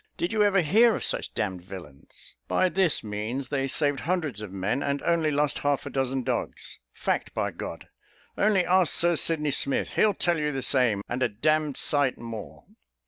Did you ever hear of such d d villains? By this means, they saved hundreds of men, and only lost half a dozen dogs fact, by G ; only ask Sir Sydney Smith; he'll tell you the same, and a d d sight more."